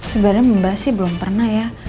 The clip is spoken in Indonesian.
sebenarnya mbak sih belum pernah ya